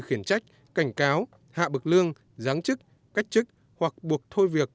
khiển trách cảnh cáo hạ bậc lương giáng chức cách chức hoặc buộc thôi việc